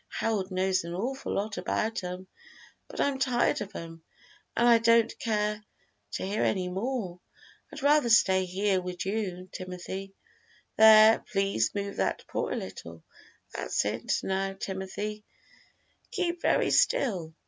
Harold knows an awful lot about 'em, but I'm tired of 'em, an' I don't care to hear any more. I'd rather stay here wid you, Timothy. There, please move that paw a little that's it; now, Timothy, keep very still!